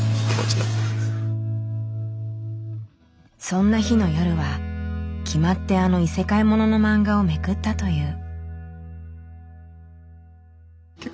そんな日の夜は決まってあの異世界もののマンガをめくったという。